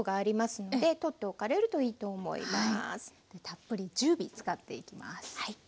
たっぷり１０尾使っていきます。